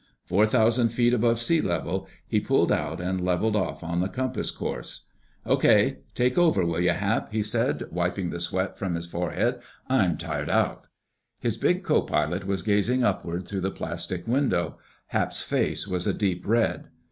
Four thousand feet above sea level he pulled out and leveled off on the compass course. "Okay—take over, will you, Hap," he said, wiping the sweat from his forehead. "I'm tired out." His big co pilot was gazing upward through the plastic window. Hap's face was a deep red.